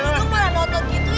gitu marah noter gitu